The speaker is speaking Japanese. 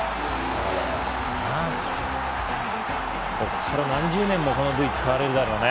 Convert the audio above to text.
ここから何十年もこのＶ使われるんだろうね。